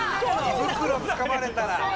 胃袋つかまれたら。